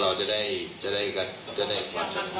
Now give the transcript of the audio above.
เพราะว่ามันก็เป็นพฤษเดียวที่เขาก็มั่นใจว่าสำคัญอยู่ด้วยสำหรับตรวจสิทธิ์